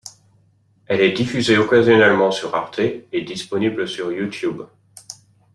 Elle est diffusée occasionnellement sur Arte et disponible sur YouTube.